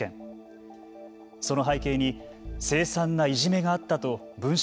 その背景に凄惨ないじめがあったと文春